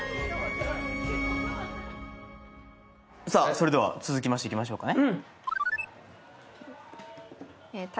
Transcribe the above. それでは続きましていきましょうかね。